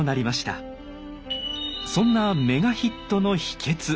そんなメガヒットの「秘訣」